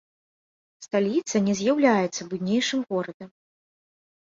Сталіца не з'яўляецца буйнейшым горадам.